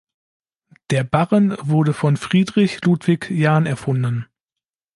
Der Barren wurde von Friedrich Ludwig Jahn erfunden.